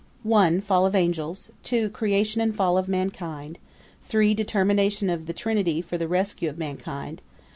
'1. Fall of angels. 2. Creation and fall of mankind. 3. Determination of the Trinity for the rescue of mankind.